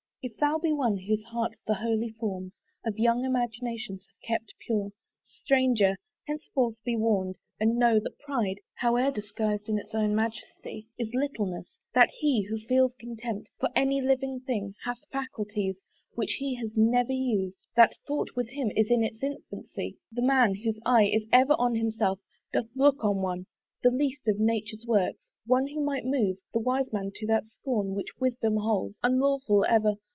If thou be one whose heart the holy forms Of young imagination have kept pure, Stranger! henceforth be warned; and know, that pride, Howe'er disguised in its own majesty, Is littleness; that he, who feels contempt For any living thing, hath faculties Which he has never used; that thought with him Is in its infancy. The man, whose eye Is ever on himself, doth look on one, The least of nature's works, one who might move The wise man to that scorn which wisdom holds Unlawful, ever.